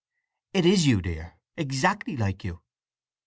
"It is you, dear; exactly like you!"